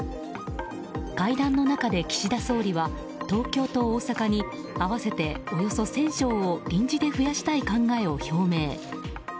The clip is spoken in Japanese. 会談の中で岸田総理は東京と大阪に合わせておよそ１０００床を臨時で増やしたい考えを表明。